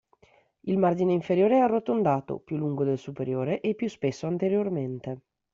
Il "margine inferiore" è arrotondato, più lungo del superiore, e più spesso anteriormente.